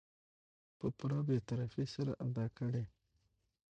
په پوره بې طرفي سره ادا کړي .